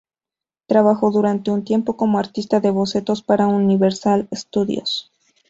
Trabajó durante un tiempo como artista de bocetos para Universal Studios.